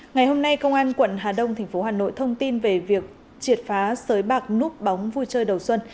ngày hôm nay công an quận hà đông tp hà nội thông tin về việc triệt phá sới bạc núp bóng vui chơi đầu xuân